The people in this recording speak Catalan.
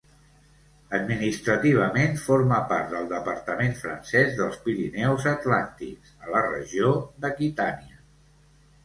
Administrativament forma part del departament francès dels Pirineus Atlàntics, a la regió d'Aquitània.